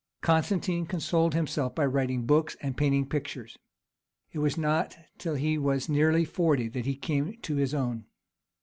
Constantine consoled himself by writing books and painting pictures; it was not till he was nearly forty that he came to his own.